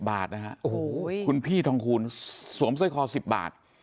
๑๐บาทนะครับคุณพี่ทองคูณสวมสร้อยคอ๑๐บาท